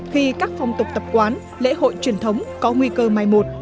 khi các phong tục tập quán lễ hội truyền thống có nguy cơ mai một